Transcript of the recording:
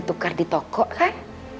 tukar di toko kan